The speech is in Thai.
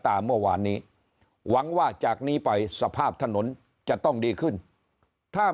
เมื่อวานนี้หวังว่าจากนี้ไปสภาพถนนจะต้องดีขึ้นถ้า